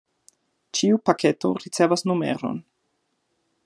Ĉiu paketo ricevas numeron.